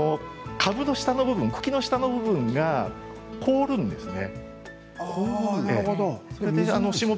株の下の部分茎の下の部分が凍るんですね。